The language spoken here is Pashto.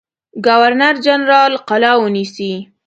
ګورنر جنرال قلا ونیسي.